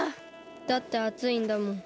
だってあついんだもん。